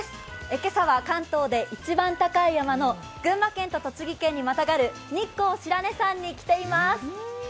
今朝は関東で一番高い山の群馬県と栃木県にまたがる日光白根山に来ています。